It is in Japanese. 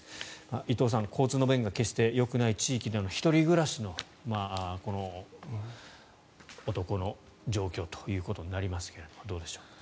伊藤さん、交通の便が決してよくない地域での１人暮らしの男の状況ということになりますけれどもどうでしょうか。